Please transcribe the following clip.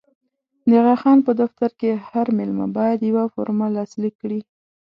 د اغا خان په دفتر کې هر مېلمه باید یوه فورمه لاسلیک کړي.